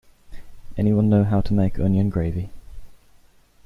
Anyone know how to make onion gravy?